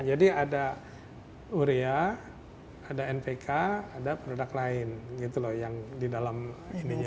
jadi ada yuria ada npk ada produk lain gitu loh yang di dalam ini